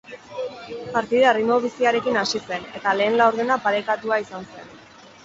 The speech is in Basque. Partida erritmo biziarekin hasi zen, eta lehen laurdena parekatua izan zen.